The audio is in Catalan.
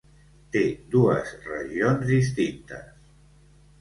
Té dues regions distintes.